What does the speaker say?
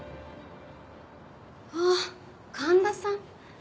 あっ神田さん。